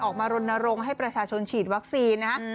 ออกมารนรงค์ให้ประชาชนฉีดวัคซีนนะครับ